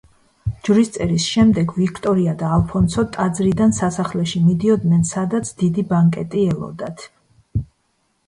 ჯვრისწერის შემდეგ ვიქტორია და ალფონსო ტაძრიდან სასახლეში მიდიოდნენ, სადაც დიდი ბანკეტი ელოდათ.